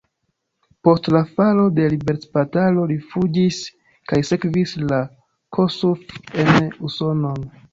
Post la falo de liberecbatalo li fuĝis kaj sekvis na Kossuth en Usonon.